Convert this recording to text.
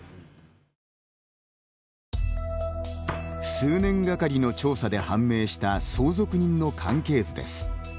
数年がかりの調査で判明した相続人の関係図です。